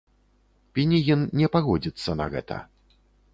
Пінігін не пагодзіцца на гэта.